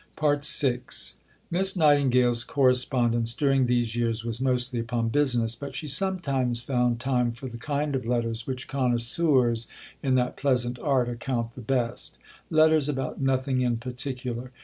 VI Miss Nightingale's correspondence during these years was mostly upon business, but she sometimes found time for the kind of letters which connoisseurs in that pleasant art account the best letters about nothing in particular.